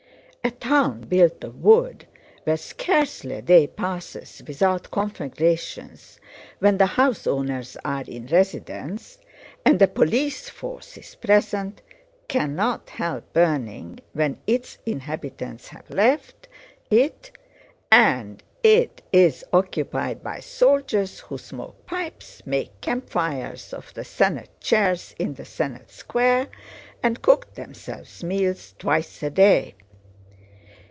A town built of wood, where scarcely a day passes without conflagrations when the house owners are in residence and a police force is present, cannot help burning when its inhabitants have left it and it is occupied by soldiers who smoke pipes, make campfires of the Senate chairs in the Senate Square, and cook themselves meals twice a day.